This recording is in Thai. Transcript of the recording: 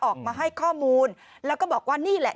ออกมาให้ข้อมูลแล้วก็บอกว่านี่แหละ